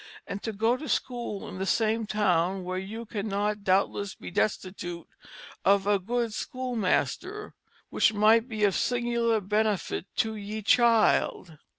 And to goe to school in the same town, where you cannot doubtless be destitute of a good schoolmaster, which might be of singular benefit to ye child."